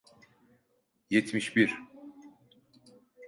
Yetmiş bir.